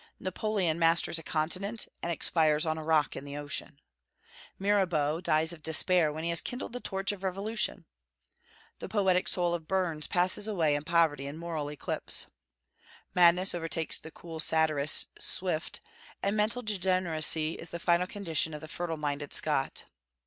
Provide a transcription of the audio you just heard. Napoleon masters a continent, and expires on a rock in the ocean. Mirabeau dies of despair when he has kindled the torch of revolution. The poetic soul of Burns passes away in poverty and moral eclipse. Madness overtakes the cool satirist Swift, and mental degeneracy is the final condition of the fertile minded Scott.